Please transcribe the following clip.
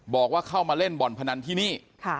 บอกว่าเข้ามาเล่นบ่อนพนันที่นี่